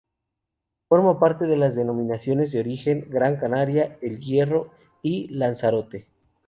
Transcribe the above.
Forma parte de las denominaciones de origen Gran Canaria, El Hierro y Lanzarote.